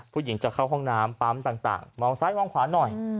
ผู้หญิงจะเข้าห้องน้ำปั๊มต่างมองซ้ายมองขวาหน่อย